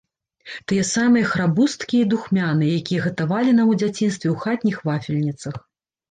Тыя самыя храбусткія і духмяныя, якія гатавалі нам у дзяцінстве ў хатніх вафельніцах.